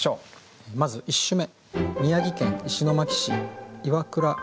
まず１首目。